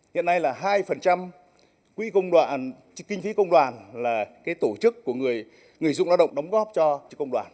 hiện nay là hai kinh phí công đoàn là tổ chức của người dụng lao động đóng góp cho công đoàn